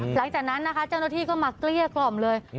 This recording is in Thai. หลังจากนั้นนะคะเจ้าหน้าที่ก็มาเกลี้ยกล่อมเลย